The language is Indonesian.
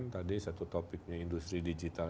tadi satu topiknya industri digital